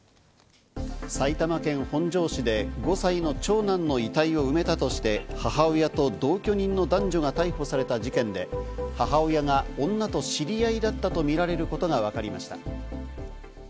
埼玉県本庄市で５歳の長男の遺体を埋めたとして母親と同居人の男女が逮捕された事件で、母親が女と知り合いだったとみられることがわかりました。